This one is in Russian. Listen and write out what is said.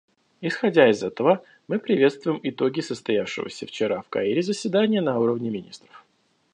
Исходя из этого, мы приветствуем итоги состоявшегося вчера в Каире заседания на уровне министров.